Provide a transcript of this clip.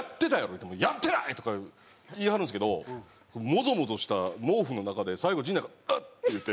言うても「やってない！」とか言い張るんですけどモゾモゾした毛布の中で最後陣内が「うっ！」って言うて。